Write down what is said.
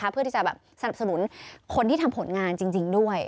เพื่อที่จะแบบสนับสนุนคนที่ทำผลงานจริงด้วย